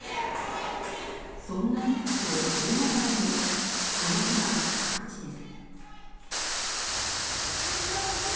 そんなリスクを負いながらでもこの日は各地で。